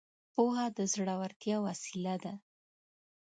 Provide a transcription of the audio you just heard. پوهه د زړورتيا وسيله ده.